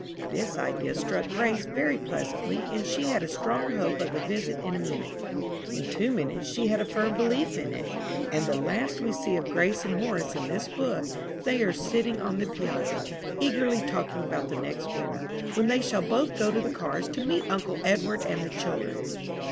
This idea struck Grace very pleasantly, and she had a strong hope of the visit in a minute. In two minutes she had a firm belief in it; and the last we see of Grace and Horace in this book, they are sitting on the piazza, eagerly talking about the next winter, when they shall both go to the cars to meet uncle Edward and the children.